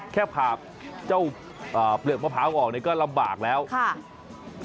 แค่ผ่าเจ้าเปลือกมะพร้าวออกเนี่ยก็ลำบากแล้วค่ะ